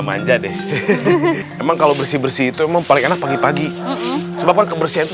manja deh emang kalau bersih bersih itu memang paling enak pagi pagi sebabkan kebersihan itu